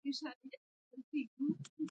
تاریخ د خپل ولس د اقتصاد انځور دی.